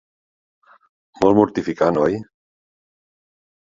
Molt mortificant, oi?